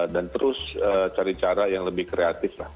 dan terus cari cara yang lebih kreatif lah